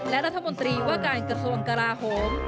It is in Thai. และรัฐมนตรีว่าการกระทรวงกราโหม